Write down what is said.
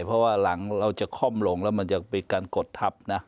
เพราะว่าหลังเราจะค่อมลงแล้วมันจะเป็นการกดทับนะ